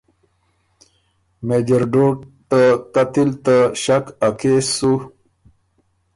مېجر ډوډ ته قتل ته ݭک ا کېس سُو